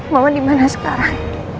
mama dimana sekarang